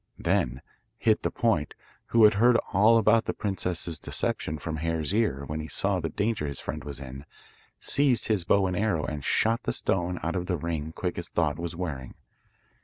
Then Hit the Point, who had heard all about the princess's deception from Hare's ear, when he saw the danger his friend was in, seized his bow and arrow and shot the stone out of the ring Quick as Thought was wearing.